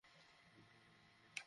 মন বলছে, বড় কিছু হতে চলছে, দারুন!